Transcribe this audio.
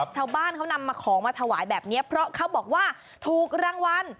ชาวบ้านเขานำมาของมาถวายแบบนี้เพราะเขาบอกว่าถูกรางวัล